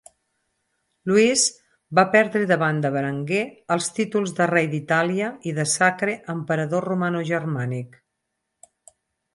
Louis va perdre davant de Berenguer els títols de rei d'Itàlia i de Sacre Emperador Romanogermànic.